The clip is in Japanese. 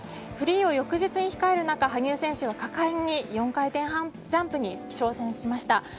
フリーを翌日に控える中羽生選手は果敢に４回転半ジャンプに挑戦しました。